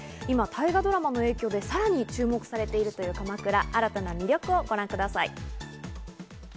大河ドラマの影響で今さらに注目されている鎌倉の新たな魅力、ご覧ください。